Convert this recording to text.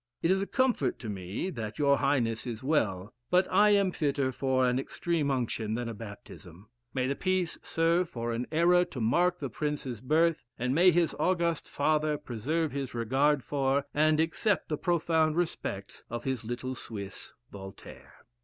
It is a comfort to me that your highness is well; but I am fitter for an extreme unction than a baptism. May the peace serve for an era to mark the prince's birth; and may his august father preserve his regard for, and accept the profound respects of his little Swiss, Voltaire."